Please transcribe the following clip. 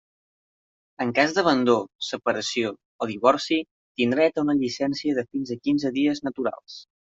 En cas d'abandó, separació o divorci, tindrà dret a una llicència de fins a quinze dies naturals.